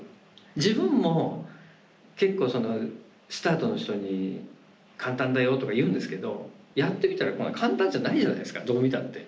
自分も結構スタートの人に「簡単だよ」とか言うんですけどやってみたら簡単じゃないじゃないですかどう見たって。